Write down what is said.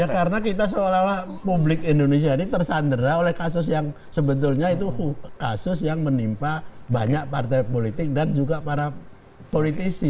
ya karena kita seolah olah publik indonesia ini tersandera oleh kasus yang sebetulnya itu kasus yang menimpa banyak partai politik dan juga para politisi